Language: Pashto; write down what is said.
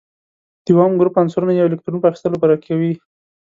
د اووم ګروپ عنصرونه یو الکترون په اخیستلو پوره کوي.